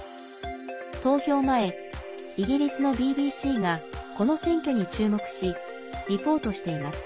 投票前、イギリスのＢＢＣがこの選挙に注目しリポートしています。